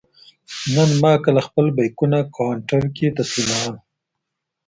نن ما کله خپل بېکونه کاونټر کې تسلیمول.